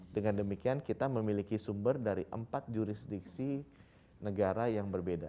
dengan demikian kita memiliki sumber dari empat jurisdiksi negara yang berbeda